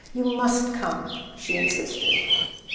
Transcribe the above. You must come!" she insisted.